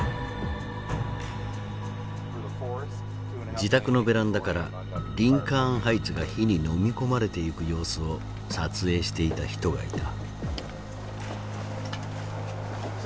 自宅のベランダからリンカーン・ハイツが火にのみ込まれていく様子を撮影していた人がいた。